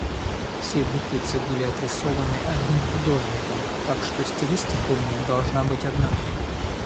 Все буквицы были отрисованы одним художником, так что стилистика у них должна быть одна.